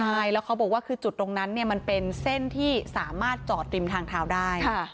ใช่แล้วเขาบอกว่าคือจุดตรงนั้นเนี่ยมันเป็นเส้นที่สามารถจอดริมทางเท้าได้